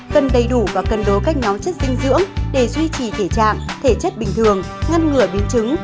cần đầy đủ và cân đố cách nhóm chất dinh dưỡng để duy trì thể trạng thể chất bình thường ngăn ngửa biến trứng